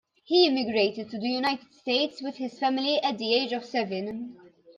He immigrated to the United States with his family at the age of seven.